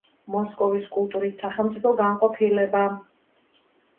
მოსკოვის კულტურის სახელმწიფო განყოფილება.